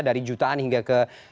dari jutaan hingga ke